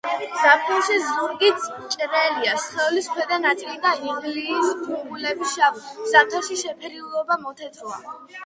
ზაფხულში ზურგი ჭრელია, სხეულის ქვედა ნაწილი და იღლიის ბუმბულები შავი; ზამთარში შეფერილობა მოთეთროა.